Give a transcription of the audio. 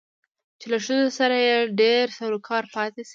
چې له ښځو سره يې ډېر سرو کارو پاتې شوى